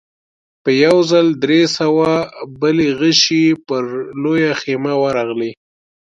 په يوه ځل درې سوه بلې غشې پر لويه خيمه ورغلې.